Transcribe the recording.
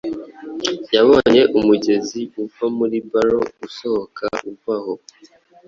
Yabonye umugezi uva muri barrow usohoka uva aho